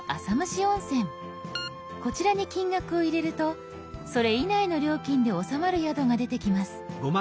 こちらに金額を入れるとそれ以内の料金で収まる宿が出てきます。